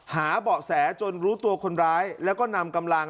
เบาะแสจนรู้ตัวคนร้ายแล้วก็นำกำลัง